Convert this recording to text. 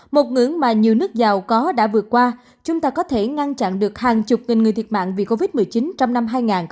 một ngưỡng mà nhiều nước giàu có đã vượt qua chúng ta có thể ngăn chặn được hàng chục nghìn người thiệt mạng vì covid một mươi chín trong năm hai nghìn hai mươi